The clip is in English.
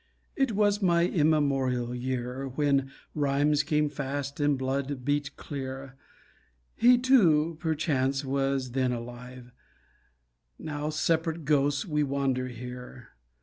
It was my immemorial year, When rhymes came fast and blood beat clear; He too, perchance, was then alive, Now separate ghosts, we wander here.